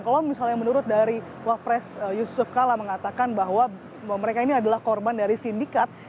kalau misalnya menurut dari wapres yusuf kala mengatakan bahwa mereka ini adalah korban dari sindikat